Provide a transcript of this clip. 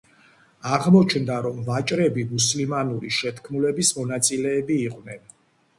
აღმოჩნდა, რომ ვაჭრები მუსლიმანური შეთქმულების მონაწილეები იყვნენ.